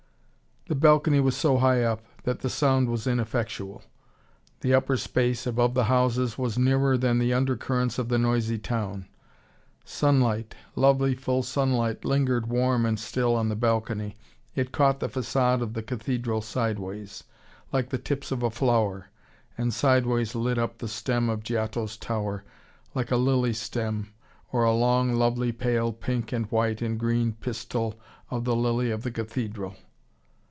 The balcony was so high up, that the sound was ineffectual. The upper space, above the houses, was nearer than the under currents of the noisy town. Sunlight, lovely full sunlight, lingered warm and still on the balcony. It caught the facade of the cathedral sideways, like the tips of a flower, and sideways lit up the stem of Giotto's tower, like a lily stem, or a long, lovely pale pink and white and green pistil of the lily of the cathedral.